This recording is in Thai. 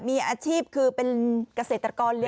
มีอาชีพคือเป็นเกษตรกรเลี